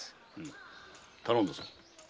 頼んだぞ。